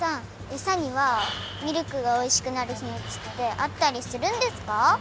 エサにはミルクがおいしくなるひみつってあったりするんですか？